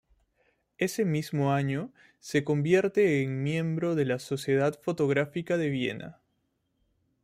Ese mismo año se convierte en miembro de la Sociedad Fotográfica de Viena.